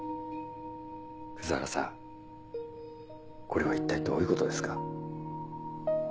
葛原さんこれは一体どういうことですか？